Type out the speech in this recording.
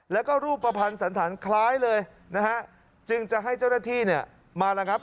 แล้วก็รูปประพันธ์สันฐานคล้ายเลยนะฮะจึงจะให้เจ้าหน้าที่เนี่ยมาระงับ